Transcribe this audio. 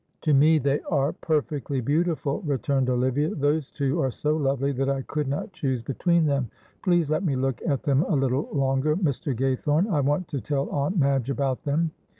"To me they are perfectly beautiful," returned Olivia. "Those two are so lovely that I could not choose between them. Please let me look at them a little longer, Mr. Gaythorne, I want to tell Aunt Madge about them."